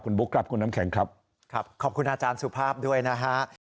บุ๊คครับคุณน้ำแข็งครับครับขอบคุณอาจารย์สุภาพด้วยนะฮะ